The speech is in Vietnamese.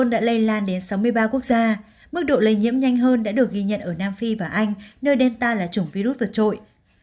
đã được ghi nhận ở nam phi và anh nơi delta là chủng virus vượt trội